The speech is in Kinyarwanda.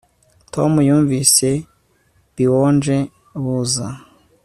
Tom yumvise buonje buza